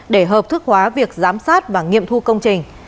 để hợp thức hóa việc giám sát và nghiệm thu công trình